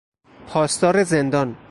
پاسدار زندان